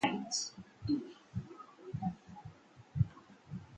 It is served by Metro Trains' Werribee line trains.